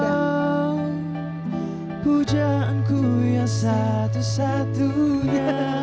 engkau pujaanku yang satu satunya